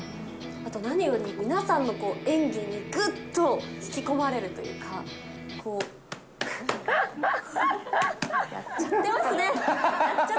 あと何より、皆さんの演技に、ぐっと引き込まれるというか、やっちゃってますね。